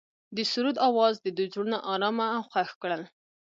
د سرود اواز د دوی زړونه ارامه او خوښ کړل.